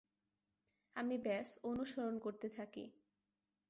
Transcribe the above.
আমি ব্যস অনুসরণ করতে থাকি।